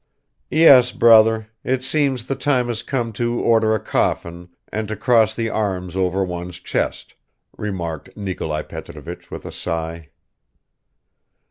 "Yes, brother; it seems the time has come to order a coffin, and to cross the arms over one's chest," remarked Nikolai Petrovich with a sigh.